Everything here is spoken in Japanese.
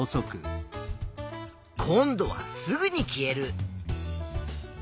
今度はすぐに消える。